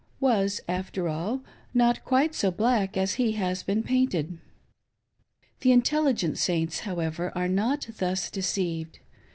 — was, after all, not quite so black as he has been painted. The intelligent Saints, however, are not thus deceived.